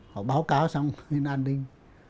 họ báo cáo xong nên an ninh